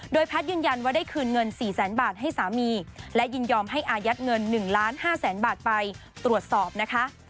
แพทย์ยืนยันว่าได้คืนเงิน๔แสนบาทให้สามีและยินยอมให้อายัดเงิน๑ล้าน๕แสนบาทไปตรวจสอบนะคะ